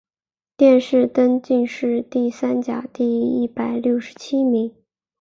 殿试登进士第三甲第一百六十七名。